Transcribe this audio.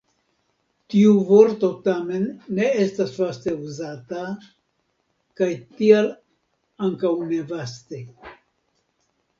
Tiu vorto tamen ne estas vaste uzata, kaj tial ankaŭ ne vaste.